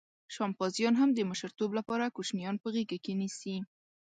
شامپانزیان هم د مشرتوب لپاره کوچنیان په غېږه کې نیسي.